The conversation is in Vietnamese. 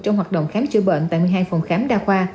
trong hoạt động khám chữa bệnh tại một mươi hai phòng khám đa khoa